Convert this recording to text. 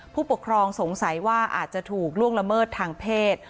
ผู้ปกครองสงสัยว่าอาจจะถูกล่วงละเมิดทางเพศ